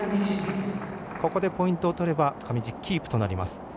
ここでポイントを取れば上地、キープとなります。